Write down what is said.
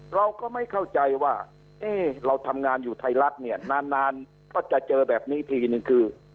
เราก็ไม่เข้าใจว่าเราทำงานอยู่ไทยรัฐเนี่ยนานก็จะเจอแบบนี้ทีนึงคือ